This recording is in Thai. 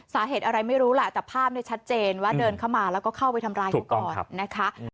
สาเหตุอะไรไม่รู้แหละแต่ภาพเนี่ยชัดเจนว่าเดินเข้ามาแล้วก็เข้าไปทำร้ายเขาก่อนนะคะ